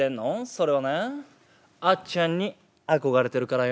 「それはねあっちゃんに憧れてるからよ」。